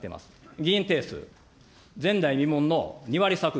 議員定数、前代未聞の２割削減。